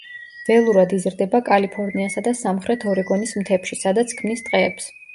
ველურად იზრდება კალიფორნიასა და სამხრეთ ორეგონის მთებში, სადაც ქმნის ტყეებს.